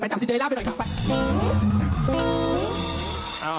จะจับซินเดอเรลล่าไปเลยค่ะ